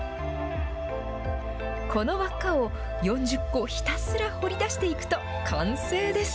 この輪っかを４０個ひたすら彫り出していくと完成です。